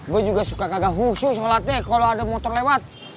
gue juga suka kakak khusus sholatnya kalau ada motor lewat